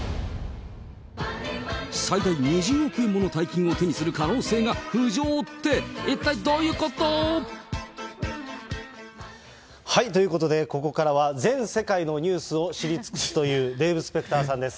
最大２０億円もの大金を手にする可能性が浮上って、一体どういうこと？ということで、ここからは全世界のニュースを知り尽くすという、デーブ・スペクターさんです。